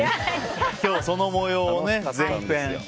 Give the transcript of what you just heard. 今日、その模様を。